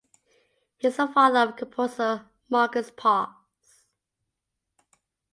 He is the father of composer Marcus Paus.